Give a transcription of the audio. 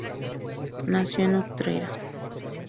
Nació en Utrera.